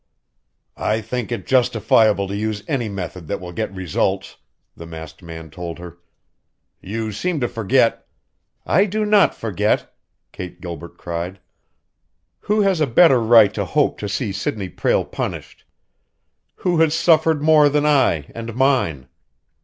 "I think it justifiable to use any method that will get results," the masked man told her. "You seem to forget " "I do not forget!" Kate Gilbert cried. "Who has a better right to hope to see Sidney Prale punished? Who has suffered more than I and mine?